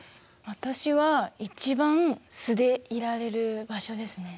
私は一番素でいられる場所ですね。